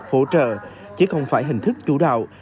hỗ trợ chứ không phải hình thức chủ đạo